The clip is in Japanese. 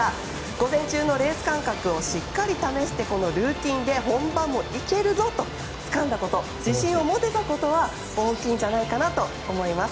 午前中のレース間隔をしっかり試してこのルーチンで本番もいけるぞとつかんだこと自信を持てたことは大きいんじゃないかなと思います。